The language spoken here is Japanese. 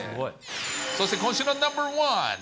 そして今週のナンバー１。